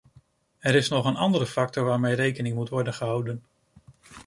Er is nog een andere factor waarmee rekening moet worden gehouden.